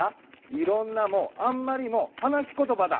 「いろんな」も「あんまり」もはなしことばだ。